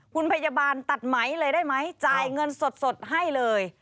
คุณพยาบาลตัดไหมเลยได้ไหมจ่ายเงินสดให้เลย